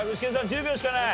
１０秒しかない。